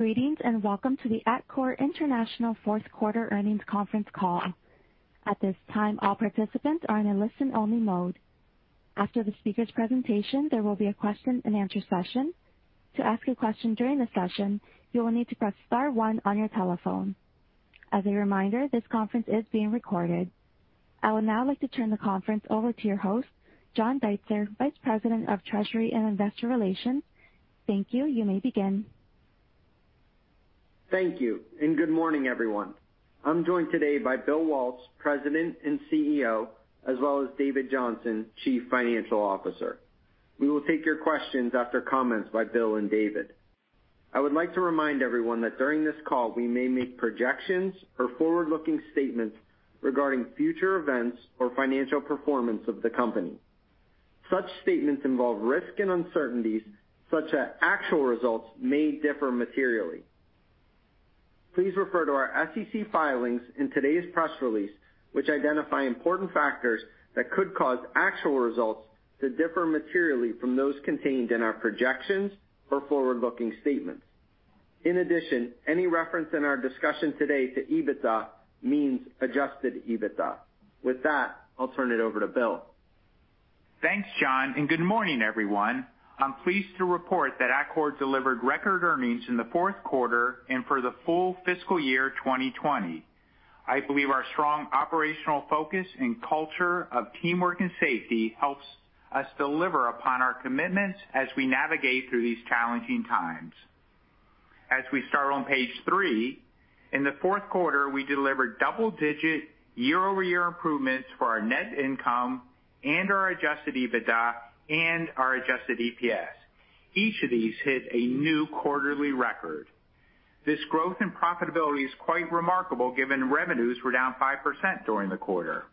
Greetings, and welcome to the Atkore International fourth quarter earnings conference call at this time all participants are only listen mode after speaker presentation there will be question-and-answer session to ask question during the session you will need press star one on your telephone. As a reminder this conference is being recorded. I would now like to turn the conference over to your host, John Deitzer, Vice President of Treasury and Investor Relations. Thank you. You may begin. Thank you. Good morning, everyone. I'm joined today by Bill Waltz, President and CEO, as well as David Johnson, Chief Financial Officer. We will take your questions after comments by Bill and David. I would like to remind everyone that during this call, we may make projections or forward-looking statements regarding future events or financial performance of the company. Such statements involve risks and uncertainties such that actual results may differ materially. Please refer to our SEC filings in today's press release, which identify important factors that could cause actual results to differ materially from those contained in our projections or forward-looking statements. Any reference in our discussion today to EBITDA means Adjusted EBITDA. I'll turn it over to Bill. Thanks, John, and good morning, everyone. I'm pleased to report that Atkore delivered record earnings in the fourth quarter and for the full fiscal year 2020. I believe our strong operational focus and culture of teamwork and safety helps us deliver upon our commitments as we navigate through these challenging times. As we start on page three, in the fourth quarter, we delivered double-digit year-over-year improvements for our net income and our Adjusted EBITDA and our Adjusted EPS. Each of these hit a new quarterly record. This growth and profitability is quite remarkable given revenues were down 5% during the quarter.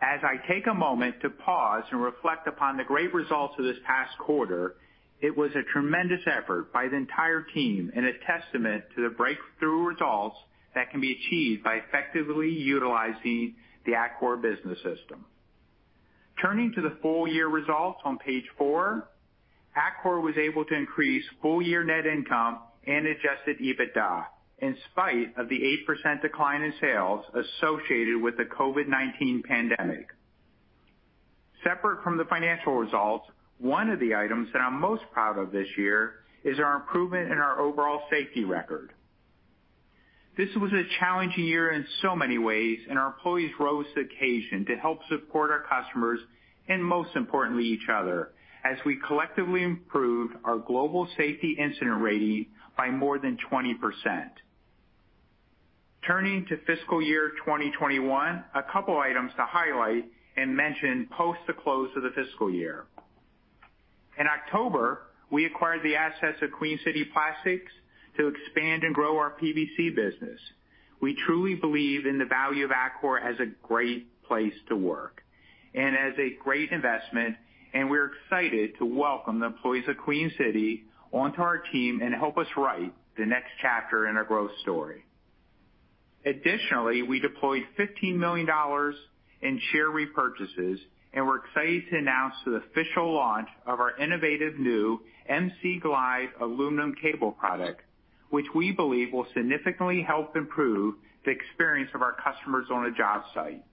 As I take a moment to pause and reflect upon the great results of this past quarter, it was a tremendous effort by the entire team and a testament to the breakthrough results that can be achieved by effectively utilizing the Atkore Business System. Turning to the full-year results on page four, Atkore was able to increase full-year net income and Adjusted EBITDA in spite of the 8% decline in sales associated with the COVID-19 pandemic. Separate from the financial results, one of the items that I'm most proud of this year is our improvement in our overall safety record. This was a challenging year in so many ways, and our employees rose to the occasion to help support our customers and, most importantly, each other as we collectively improved our global safety incident rating by more than 20%. Turning to fiscal year 2021, a couple items to highlight and mention post the close of the fiscal year. In October, we acquired the assets of Queen City Plastics to expand and grow our PVC business. We truly believe in the value of Atkore as a great place to work and as a great investment, and we're excited to welcome the employees of Queen City onto our team and help us write the next chapter in our growth story. We deployed $15 million in share repurchases, and we're excited to announce the official launch of our innovative new MC Glide aluminum cable product, which we believe will significantly help improve the experience of our customers on a job site.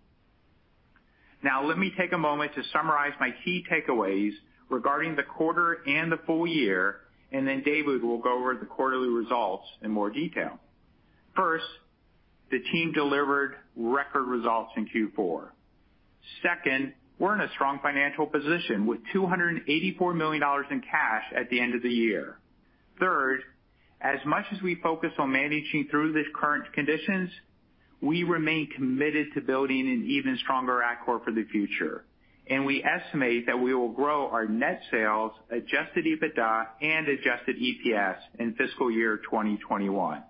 Let me take a moment to summarize my key takeaways regarding the quarter and the full year, and then David will go over the quarterly results in more detail. The team delivered record results in Q4. We're in a strong financial position with $284 million in cash at the end of the year. Third, as much as we focus on managing through these current conditions, we remain committed to building an even stronger Atkore for the future, and we estimate that we will grow our net sales, Adjusted EBITDA, and Adjusted EPS in fiscal year 2021.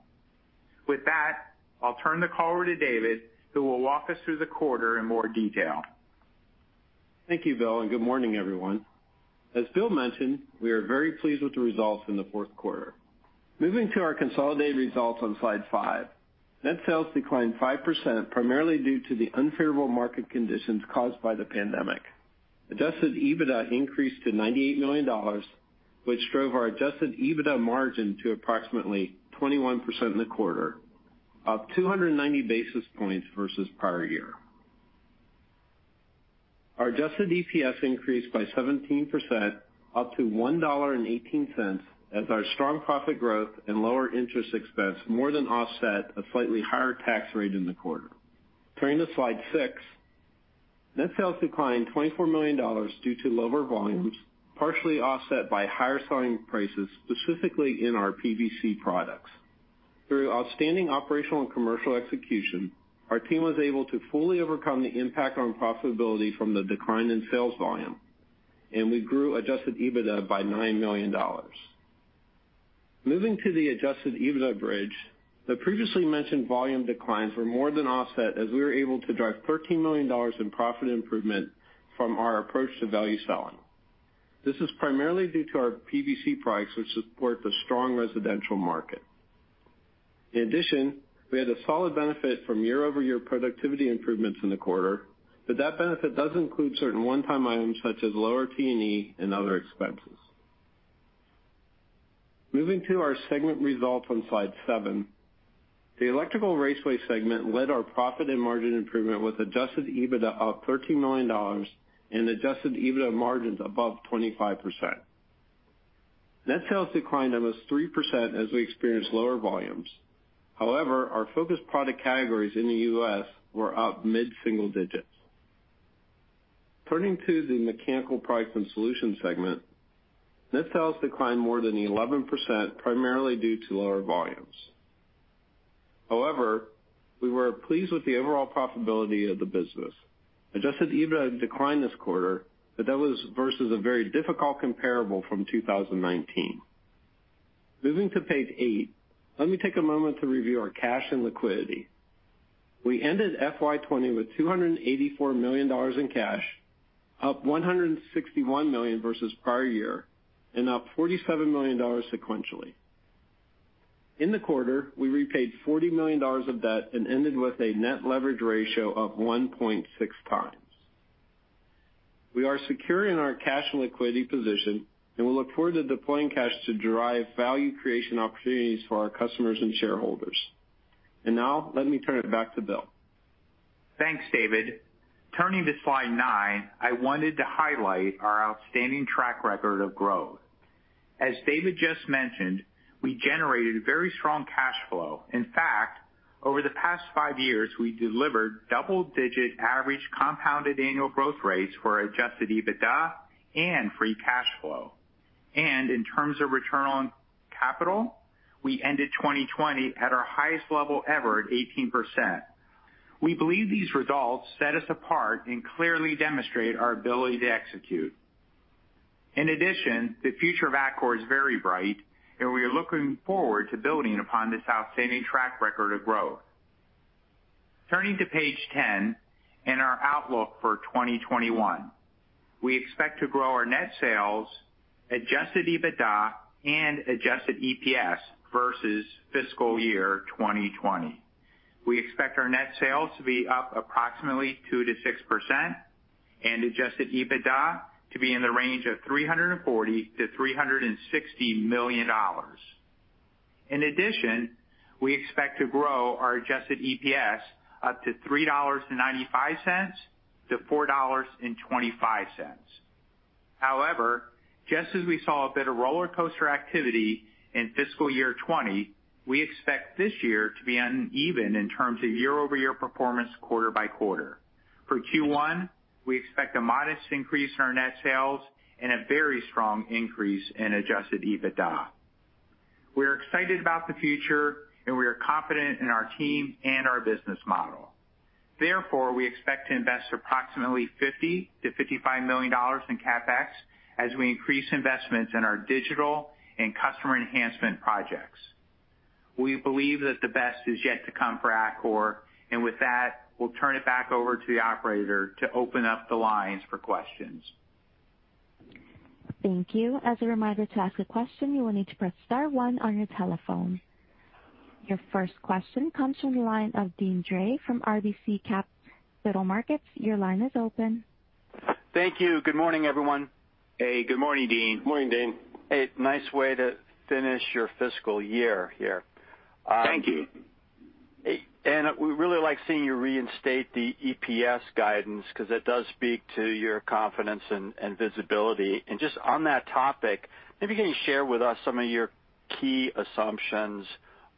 With that, I'll turn the call over to David, who will walk us through the quarter in more detail. Thank you, Bill, and good morning, everyone. As Bill mentioned, we are very pleased with the results in the fourth quarter. Moving to our consolidated results on slide five. Net sales declined 5%, primarily due to the unfavorable market conditions caused by the pandemic. Adjusted EBITDA increased to $98 million, which drove our Adjusted EBITDA margin to approximately 21% in the quarter, up 290 basis points versus prior year. Our Adjusted EPS increased by 17%, up to $1.18, as our strong profit growth and lower interest expense more than offset a slightly higher tax rate in the quarter. Turning to slide six. Net sales declined $24 million due to lower volumes, partially offset by higher selling prices, specifically in our PVC products. Through outstanding operational and commercial execution, our team was able to fully overcome the impact on profitability from the decline in sales volume, and we grew Adjusted EBITDA by $9 million. Moving to the Adjusted EBITDA bridge. The previously mentioned volume declines were more than offset as we were able to drive $13 million in profit improvement from our approach to value selling. This is primarily due to our PVC products, which support the strong residential market. In addition, we had a solid benefit from year-over-year productivity improvements in the quarter, but that benefit does include certain one-time items such as lower T&E and other expenses. Moving to our segment results on slide seven. The electrical raceway segment led our profit and margin improvement with Adjusted EBITDA of $13 million and Adjusted EBITDA margins above 25%. Net sales declined almost 3% as we experienced lower volumes. However, our focused product categories in the U.S. were up mid-single digits. Turning to the Mechanical Products and Solutions segment. Net sales declined more than 11%, primarily due to lower volumes. However, we were pleased with the overall profitability of the business. Adjusted EBITDA declined this quarter, but that was versus a very difficult comparable from 2019. Moving to page eight, let me take a moment to review our cash and liquidity. We ended FY 2020 with $284 million in cash, up $161 million versus prior year, and up $47 million sequentially. In the quarter, we repaid $40 million of debt and ended with a net leverage ratio of 1.6x. We are secure in our cash and liquidity position, and we look forward to deploying cash to derive value creation opportunities for our customers and shareholders. Now, let me turn it back to Bill. Thanks, David. Turning to slide nine, I wanted to highlight our outstanding track record of growth. As David just mentioned, we generated very strong cash flow. In fact, over the past five years, we delivered double-digit average compounded annual growth rates for Adjusted EBITDA and free cash flow. In terms of return on capital, we ended 2020 at our highest level ever at 18%. We believe these results set us apart and clearly demonstrate our ability to execute. In addition, the future of Atkore is very bright, and we are looking forward to building upon this outstanding track record of growth. Turning to page 10 and our outlook for 2021. We expect to grow our net sales, Adjusted EBITDA, and Adjusted EPS versus fiscal year 2020. We expect our net sales to be up approximately 2%-6% and Adjusted EBITDA to be in the range of $340 million-$360 million. In addition, we expect to grow our Adjusted EPS up to $3.95-$4.25. Just as we saw a bit of rollercoaster activity in FY 2020, we expect this year to be uneven in terms of year-over-year performance quarter by quarter. For Q1, we expect a modest increase in our net sales and a very strong increase in Adjusted EBITDA. We're excited about the future, and we are confident in our team and our business model. We expect to invest approximately $50 million-$55 million in CapEx as we increase investments in our digital and customer enhancement projects. We believe that the best is yet to come for Atkore. With that, we'll turn it back over to the operator to open up the lines for questions. Thank you. As a reminder, to ask a question, you will need to press star one on your telephone. Your first question comes from the line of Deane Dray from RBC Capital Markets. Your line is open. Thank you. Good morning, everyone. Hey, good morning, Deane. Morning, Deane. Hey, nice way to finish your fiscal year here. Thank you. We really like seeing you reinstate the EPS guidance because it does speak to your confidence and visibility. Just on that topic, maybe can you share with us some of your key assumptions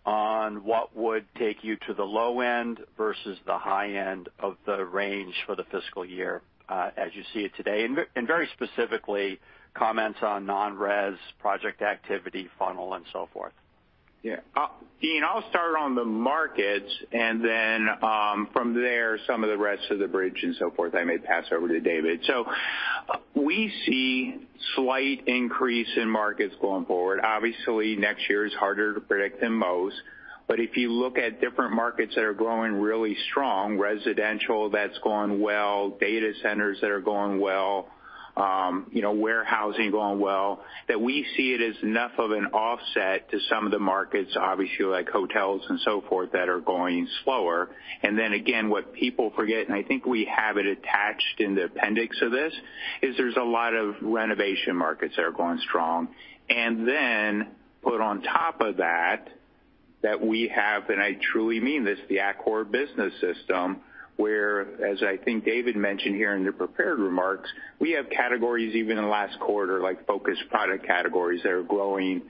on what would take you to the low end versus the high end of the range for the fiscal year as you see it today? Very specifically, comments on non-res project activity funnel and so forth. Deane, I'll start on the markets, and then from there, some of the rest of the bridge and so forth, I may pass over to David. We see slight increase in markets going forward. Obviously, next year is harder to predict than most. If you look at different markets that are growing really strong, residential that's going well, data centers that are going well, warehousing going well, that we see it as enough of an offset to some of the markets, obviously, like hotels and so forth that are going slower. Then again, what people forget, and I think we have it attached in the appendix of this, is there's a lot of renovation markets that are going strong. Then put on top of that we have, and I truly mean this, the Atkore Business System, where, as I think David mentioned here in the prepared remarks, we have categories even in the last quarter, like focused product categories that are growing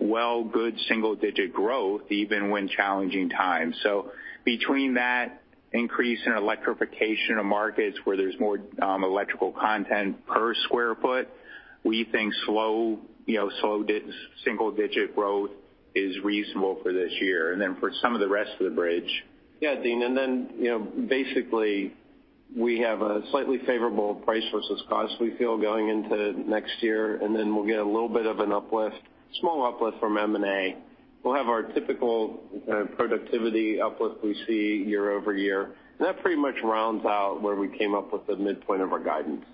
well, good single-digit growth, even when challenging times. Between that increase in electrification of markets where there's more electrical content per square foot, we think slow single-digit growth is reasonable for this year. Then for some of the rest of the bridge. Yeah, Deane, basically, we have a slightly favorable price versus cost we feel going into next year, we'll get a little bit of an uplift, small uplift from M&A. We'll have our typical productivity uplift we see year-over-year. That pretty much rounds out where we came up with the midpoint of our guidance.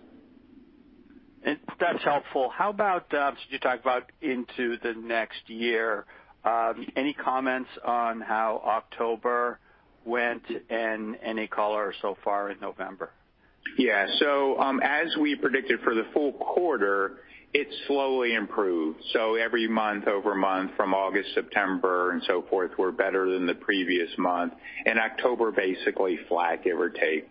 That's helpful. Should you talk about into the next year, any comments on how October went and any color so far in November? As we predicted for the full quarter, it slowly improved. Every month-over-month from August, September and so forth, we're better than the previous month. October, basically flat, give or take.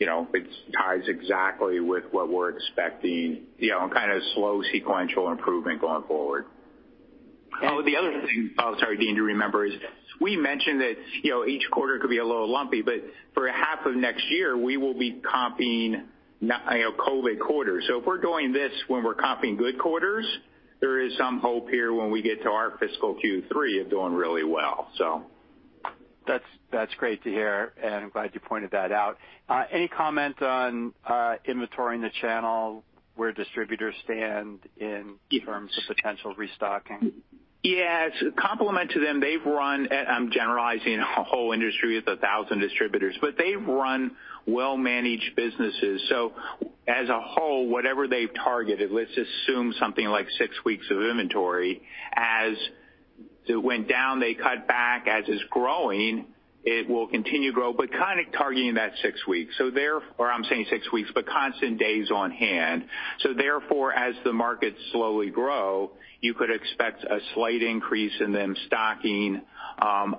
It ties exactly with what we're expecting, and kind of slow sequential improvement going forward. The other thing, sorry, Deane, to remember is we mentioned that each quarter could be a little lumpy, but for a half of next year, we will be comping COVID-19 quarters. If we're doing this when we're comping good quarters, there is some hope here when we get to our fiscal Q3 of doing really well. That's great to hear, and I'm glad you pointed that out. Any comment on inventory in the channel, where distributors stand in terms of potential restocking? It's a compliment to them. They've run, I'm generalizing a whole industry with 1,000 distributors, but they've run well-managed businesses. As a whole, whatever they've targeted, let's assume something like six weeks of inventory. As it went down, they cut back. As it's growing, it will continue to grow. Kind of targeting that six weeks. I'm saying six weeks, but constant days on hand. Therefore, as the markets slowly grow, you could expect a slight increase in them stocking.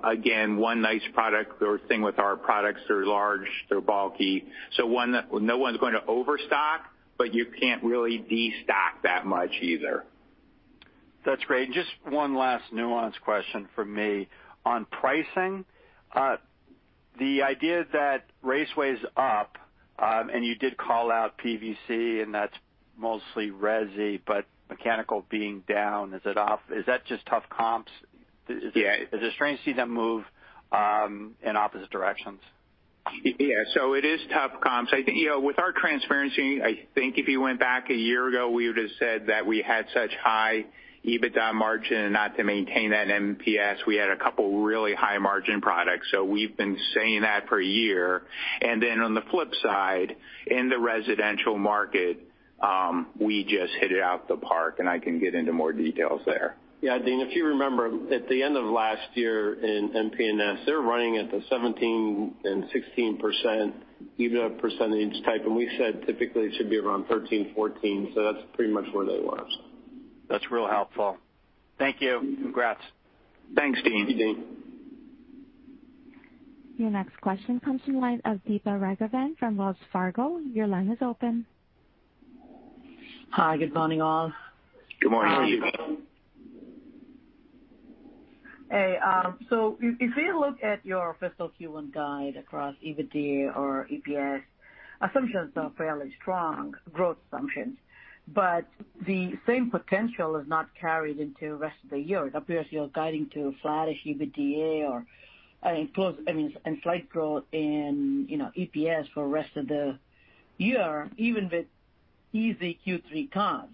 Again, one nice product or thing with our products, they're large, they're bulky. No one's going to overstock, but you can't really destock that much either. That's great. Just one last nuanced question from me. On pricing, the idea that raceway's up, and you did call out PVC and that's mostly resi, but mechanical being down, is that just tough comps? Yeah. Is it strange to see them move in opposite directions? Yeah. It is tough comps. With our transparency, I think if you went back a year ago, we would've said that we had such high EBITDA margin and not to maintain that [MBS], we had a couple really high margin products. We've been saying that for a year. On the flip side, in the residential market, we just hit it out the park, and I can get into more details there. Deane, if you remember at the end of last year in MP&S, they were running at the 17% and 16% EBITDA percentage type, and we said typically it should be around 13, 14. That's pretty much where they were. That's real helpful. Thank you. Congrats. Thanks, Deane. Your next question comes from the line of Deepa Raghavan from Wells Fargo. Your line is open. Hi. Good morning, all. Good morning, Deepa. Hey. If we look at your fiscal Q1 guide across EBITDA or EPS, assumptions are fairly strong, growth assumptions. The same potential is not carried into the rest of the year. It appears you're guiding to a flattish EBITDA or close, I mean, and slight growth in EPS for rest of the year, even with easy Q3 comp.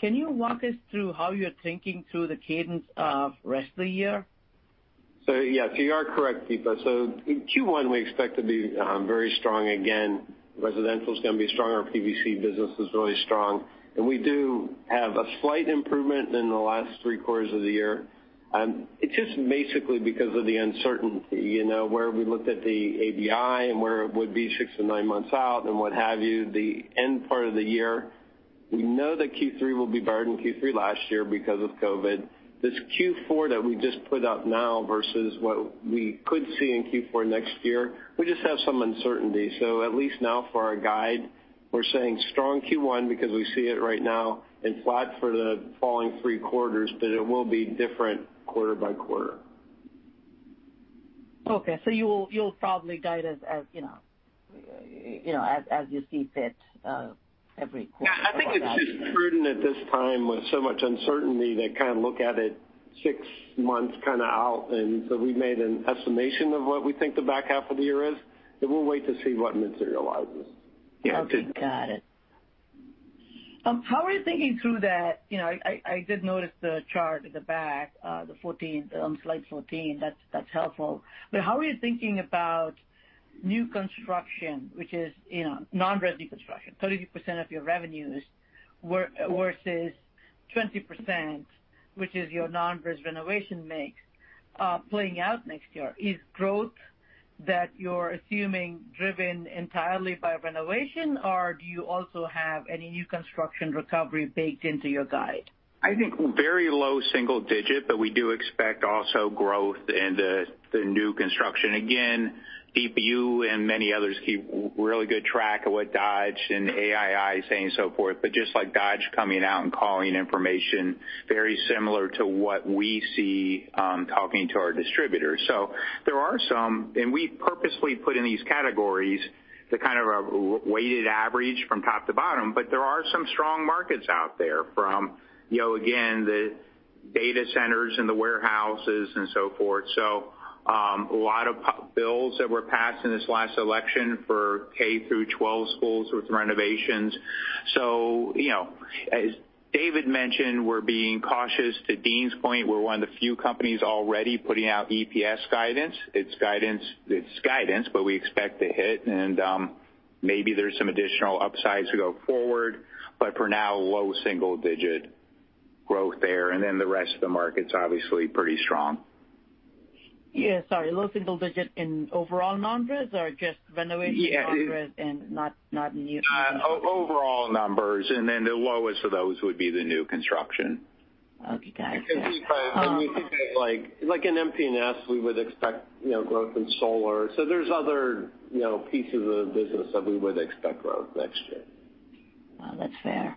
Can you walk us through how you're thinking through the cadence of rest of the year? Yes, you are correct, Deepa. In Q1, we expect to be very strong again. Residential's going to be strong. Our PVC business is really strong, and we do have a slight improvement in the last three quarters of the year. It's just basically because of the uncertainty, where we looked at the ABI and where it would be six to nine months out and what have you, the end part of the year. We know that Q3 will be better than Q3 last year because of COVID. This Q4 that we just put up now versus what we could see in Q4 next year, we just have some uncertainty. At least now for our guide, we're saying strong Q1 because we see it right now and flat for the following three quarters, but it will be different quarter-by-quarter. Okay. You'll probably guide us as you see fit every quarter going out. I think it's just prudent at this time with so much uncertainty to kind of look at it six months out. We've made an estimation of what we think the back half of the year is, and we'll wait to see what materializes. Yeah. Okay. Got it. How are you thinking through that? I did notice the chart at the back, on slide 14. That's helpful. How are you thinking about new construction, which is non-resi construction? 33% of your revenues versus 20%, which is your non-res renovation mix, playing out next year. Is growth that you're assuming driven entirely by renovation, or do you also have any new construction recovery baked into your guide? I think very low single-digit, we do expect also growth in the new construction. Again, [DPU] and many others keep really good track of what Dodge and AIA is saying and so forth, just like Dodge coming out and calling information, very similar to what we see talking to our distributors. There are some, and we purposefully put in these categories the kind of weighted average from top to bottom. There are some strong markets out there from, again, the data centers and the warehouses and so forth. A lot of bills that were passed in this last election for K-12 schools with renovations. As David mentioned we're being cautious. To Deane's point, we're one of the few companies already putting out EPS guidance. It's guidance, we expect to hit, maybe there's some additional upsides to go forward. For now, low single-digit growth there, the rest of the market's obviously pretty strong. Yeah, sorry. Low single digit in overall non-res or just renovation non-res and not new- Overall numbers, and then the lowest of those would be the new construction. Okay, got it. We think that, like in MP&S, we would expect growth in solar. There's other pieces of the business that we would expect growth next year. Well, that's fair.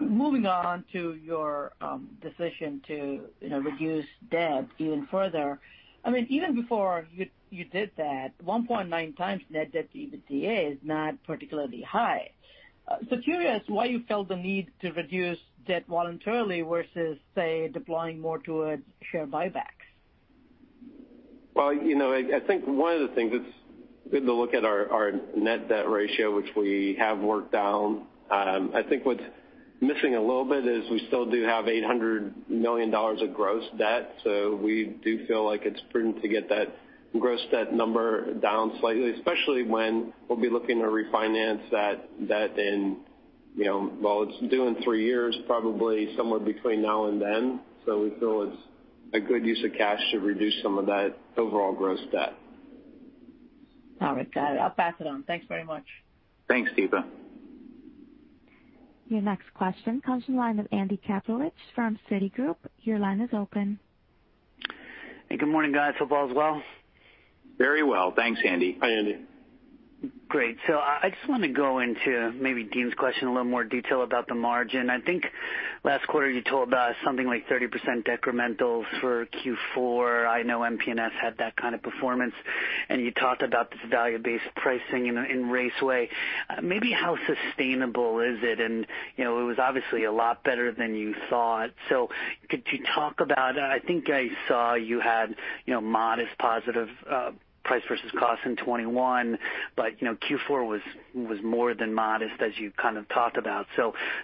Moving on to your decision to reduce debt even further. Even before you did that, 1.9x net debt to EBITDA is not particularly high. Curious why you felt the need to reduce debt voluntarily versus, say, deploying more towards share buybacks. I think one of the things, it's good to look at our net debt ratio, which we have worked down. I think what's missing a little bit is we still do have $800 million of gross debt. We do feel like it's prudent to get that gross debt number down slightly, especially when we'll be looking to refinance that debt in-- well, it's due in three years, probably somewhere between now and then. We feel it's a good use of cash to reduce some of that overall gross debt. All right, got it. I'll pass it on. Thanks very much. Thanks, Deepa. Your next question comes from the line of Andy Kaplowitz from Citigroup. Your line is open. Hey, good morning, guys. Hope all is well. Very well. Thanks, Andy. Hi, Andy. Great. I just want to go into maybe Deane's question in a little more detail about the margin. I think last quarter you told us something like 30% decremental for Q4. I know MP&S had that kind of performance, and you talked about this value-based pricing in Raceway. Maybe how sustainable is it? It was obviously a lot better than you thought. Could you talk about it? I think I saw you had modest positive price versus cost in 2021. Q4 was more than modest as you kind of talked about.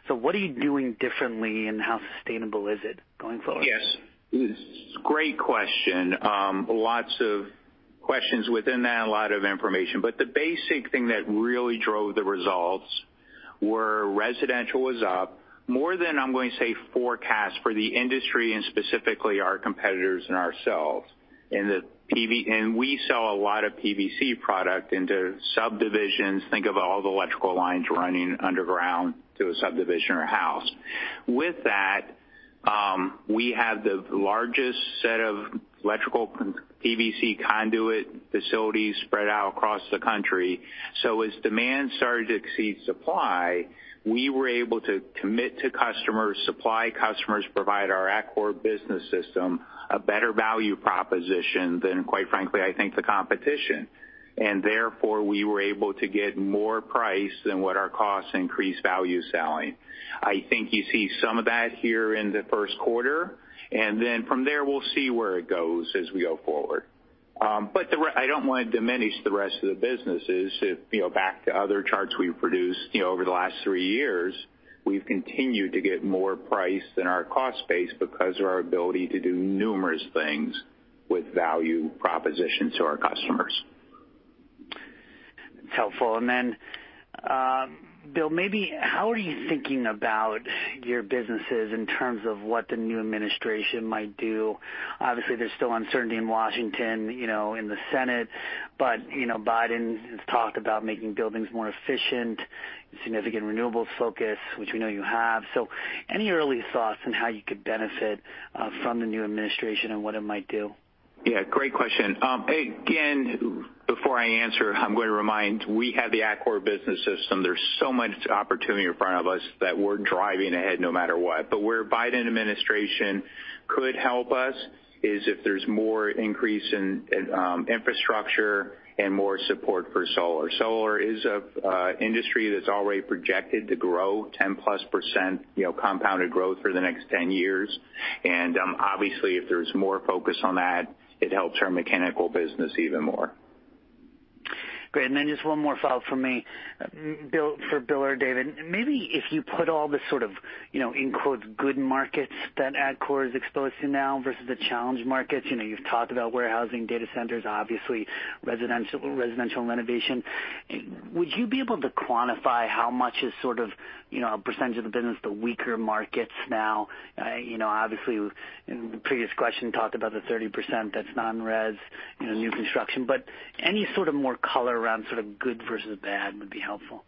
What are you doing differently, and how sustainable is it going forward? Yes. Great question. Lots of questions within that, a lot of information. The basic thing that really drove the results were residential was up more than, I'm going to say, forecast for the industry and specifically our competitors and ourselves. We sell a lot of PVC product into subdivisions. Think of all the electrical lines running underground to a subdivision or house. With that, we have the largest set of electrical PVC conduit facilities spread out across the country. As demand started to exceed supply, we were able to commit to customers, supply customers, provide our Atkore Business System a better value proposition than, quite frankly, I think the competition. Therefore, we were able to get more price than what our costs increased value selling. I think you see some of that here in the first quarter, and then from there, we'll see where it goes as we go forward. I don't want to diminish the rest of the businesses. Back to other charts we've produced over the last three years, we've continued to get more price than our cost base because of our ability to do numerous things with value propositions to our customers. That's helpful. Bill, maybe how are you thinking about your businesses in terms of what the new administration might do? Obviously, there's still uncertainty in Washington, in the Senate. Biden has talked about making buildings more efficient, significant renewables focus, which we know you have. Any early thoughts on how you could benefit from the new administration and what it might do? Yeah, great question. Before I answer, I'm going to remind we have the Atkore Business System. There's so much opportunity in front of us that we're driving ahead no matter what. Where Biden administration could help us is if there's more increase in infrastructure and more support for solar. Solar is an industry that's already projected to grow 10%+ compounded growth for the next 10 years. Obviously, if there's more focus on that, it helps our mechanical business even more. Great. Just one more thought from me. For Bill or David, maybe if you put all the sort of "good markets" that Atkore is exposed to now versus the challenged markets. You've talked about warehousing, data centers, obviously residential and renovation. Would you be able to quantify how much is sort of a percentage of the business, the weaker markets now? Obviously, in the previous question, talked about the 30% that's non-res new construction. Any sort of more color around sort of good versus bad would be helpful.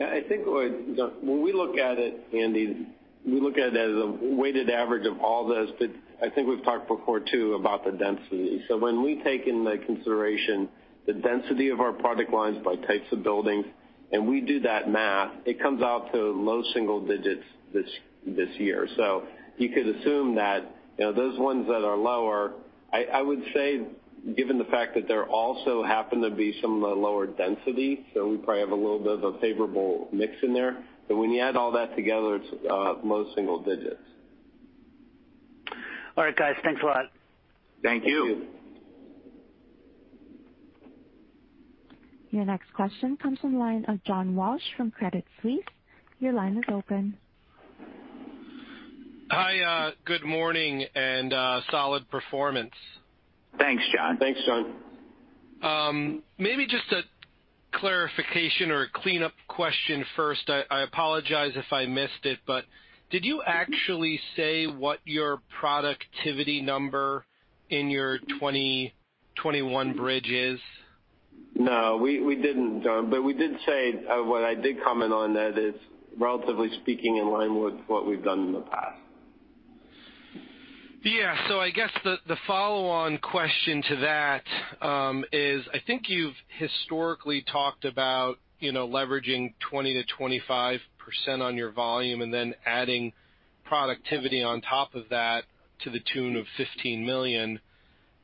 I think when we look at it, Andy, we look at it as a weighted average of all those. I think we've talked before, too, about the density. When we take into consideration the density of our product lines by types of buildings, and we do that math, it comes out to low single digits this year. You could assume that those ones that are lower, I would say, given the fact that there also happen to be some of the lower density, so we probably have a little bit of a favorable mix in there. When you add all that together, it's low single digits. All right, guys. Thanks a lot. Thank you. Your next question comes from the line of John Walsh from Credit Suisse. Your line is open. Hi, good morning, and solid performance. Thanks, John. Thanks, John. Maybe just a clarification or a cleanup question first. I apologize if I missed it, did you actually say what your productivity number in your 2021 bridge is? No, we didn't, John, but we did say, what I did comment on that is relatively speaking, in line with what we've done in the past. I guess the follow-on question to that is, I think you've historically talked about leveraging 20% to 25% on your volume and then adding productivity on top of that to the tune of $15 million.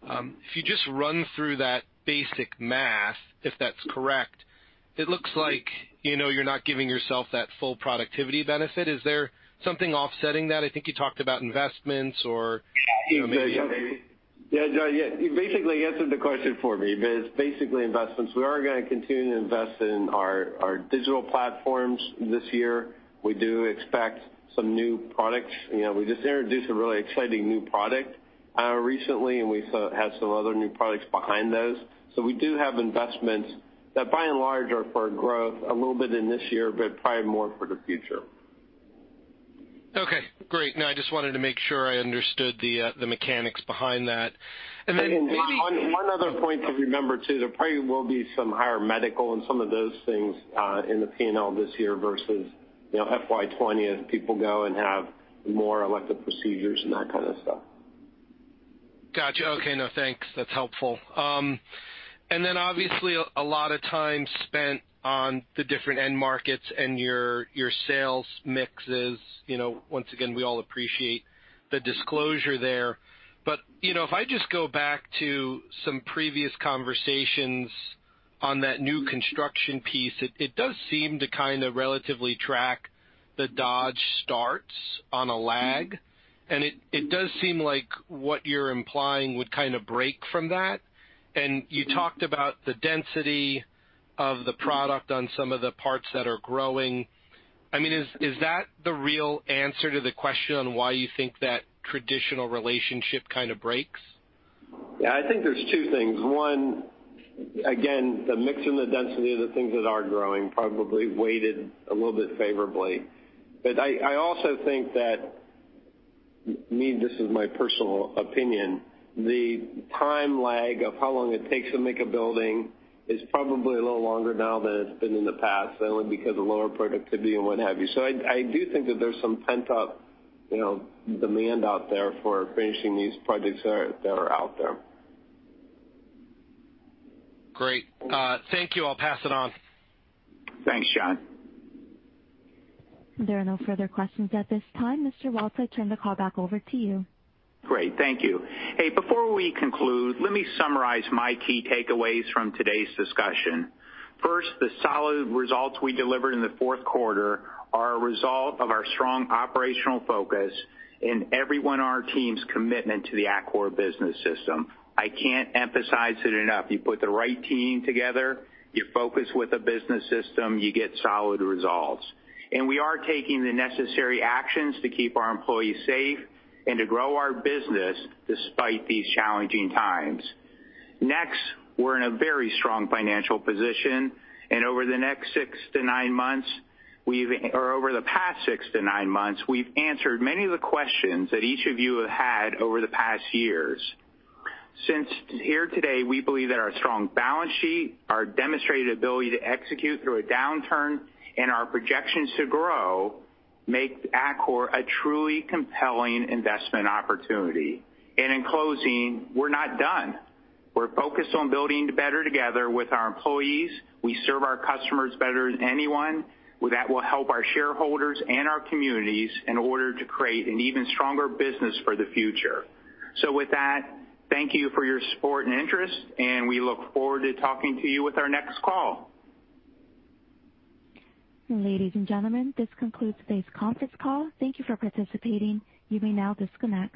If you just run through that basic math, if that's correct, it looks like you're not giving yourself that full productivity benefit. Is there something offsetting that? Yeah. John, you basically answered the question for me. It's basically investments. We are going to continue to invest in our digital platforms this year. We do expect some new products. We just introduced a really exciting new product recently, and we have some other new products behind those. We do have investments that by and large are for growth a little bit in this year, but probably more for the future. Okay, great. No, I just wanted to make sure I understood the mechanics behind that. One other point to remember too, there probably will be some higher medical and some of those things, in the P&L this year versus FY 2020 as people go and have more elective procedures and that kind of stuff. Got you. Okay, no, thanks. That's helpful. Then obviously a lot of time spent on the different end markets and your sales mixes. Once again, we all appreciate the disclosure there. If I just go back to some previous conversations on that new construction piece, it does seem to kind of relatively track the Dodge starts on a lag. It does seem like what you're implying would kind of break from that. You talked about the density of the product on some of the parts that are growing. Is that the real answer to the question on why you think that traditional relationship kind of breaks? Yeah, I think there's two things. One, again, the mix and the density of the things that are growing probably weighted a little bit favorably. I also think that, me, this is my personal opinion, the time lag of how long it takes to make a building is probably a little longer now than it's been in the past, only because of lower productivity and what have you. I do think that there's some pent-up demand out there for finishing these projects that are out there. Great. Thank you. I'll pass it on. Thanks, John. There are no further questions at this time. Mr. Waltz, I turn the call back over to you. Great. Thank you. Hey, before we conclude, let me summarize my key takeaways from today's discussion. First, the solid results we delivered in the fourth quarter are a result of our strong operational focus and everyone on our team's commitment to the Atkore Business System. I can't emphasize it enough. You put the right team together, you focus with a business system, you get solid results. We are taking the necessary actions to keep our employees safe and to grow our business despite these challenging times. Next, we're in a very strong financial position, and over the next six to nine months, or over the past six to nine months, we've answered many of the questions that each of you have had over the past years. Since here today, we believe that our strong balance sheet, our demonstrated ability to execute through a downturn, and our projections to grow make Atkore a truly compelling investment opportunity. In closing, we're not done. We're focused on building better together with our employees. We serve our customers better than anyone. That will help our shareholders and our communities in order to create an even stronger business for the future. With that, thank you for your support and interest, and we look forward to talking to you with our next call. Ladies and gentlemen, this concludes today's conference call. Thank you for participating. You may now disconnect.